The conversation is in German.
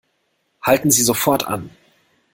Halten Sie sofort an!